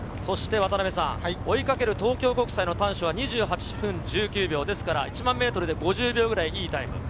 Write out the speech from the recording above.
そして渡辺さん、追いかける東京国際・丹所は２８分１９秒ですから、１００００ｍで５０秒くらいいいタイム。